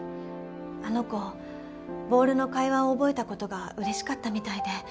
あの子ボールの会話を覚えた事が嬉しかったみたいで。